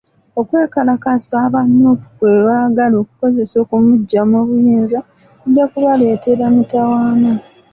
Okwekalakaasa aba Nuupu kwe bagaala okukozesa okumuggya mu buyinza, kujja kubaleetera mitawaana.